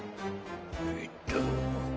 えっと。